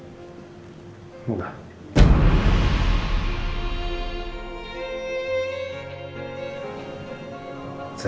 saya tidak ingin cakap